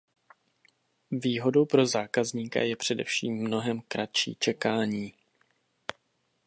Výhodou pro zákazníka je především mnohem kratší čekání.